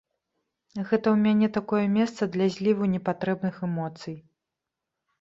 Гэта ў мяне такое месца для зліву непатрэбных эмоцый.